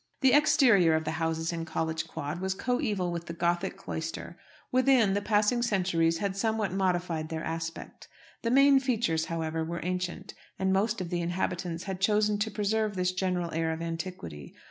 The exterior of the houses in College Quad was coeval with the Gothic cloister; within, the passing centuries had somewhat modified their aspect. The main features, however, were ancient, and most of the inhabitants had chosen to preserve this general air of antiquity.